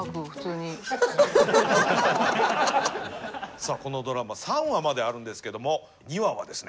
さあこのドラマ３話まであるんですけども２話はですね